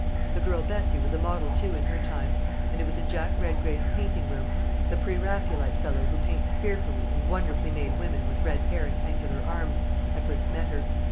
The girl Bessie was a model too in her time; and it was in Jack Redgrave's painting room the pre Raphaelite fellow who paints fearfully and wonderfully made women with red hair and angular arms I first met her.